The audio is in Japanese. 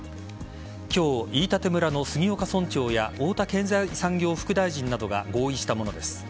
今日飯舘村の杉岡村長や太田経済産業副大臣などが合意したものです。